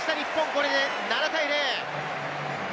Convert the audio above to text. これで７対０。